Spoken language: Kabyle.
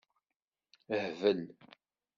Hbel.